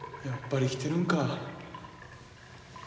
やっぱり来てるんか。